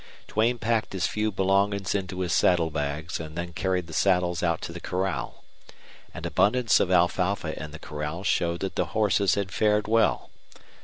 Duane packed his few belongings into his saddlebags, and then carried the saddles out to the corral. An abundance of alfalfa in the corral showed that the horses had fared well.